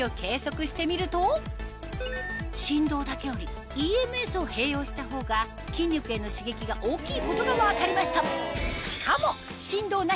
振動だけよりＥＭＳを併用したほうが筋肉への刺激が大きいことが分かりました